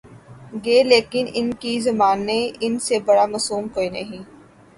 گے لیکن ان کی زبانی ان سے بڑا معصوم کوئی نہیں۔